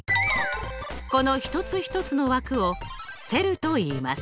この一つ一つの枠をセルといいます。